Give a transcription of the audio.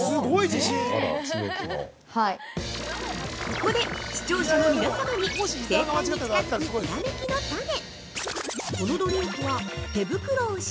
◆ここで視聴者の皆様に正解に近づく、ひらめきのタネ。